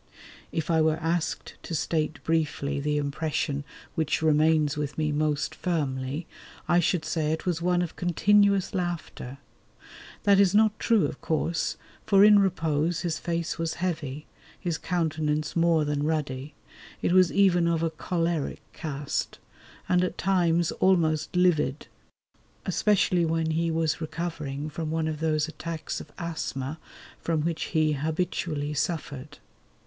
If I were asked to state briefly the impression which remains with me most firmly, I should say it was one of continuous laughter. That is not true, of course, for in repose his face was heavy, his countenance more than ruddy; it was even of a "choleric" cast, and at times almost livid, especially when he was recovering from one of those attacks of asthma from which he habitually suffered.